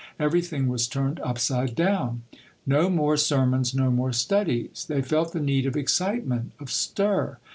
Everything was turned upside down. No more sermons, no more studies ! They felt the need of excitement, of stir.